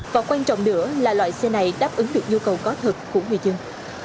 và quan trọng nữa là loại xe này đáp ứng được nhu cầu có thực của người dân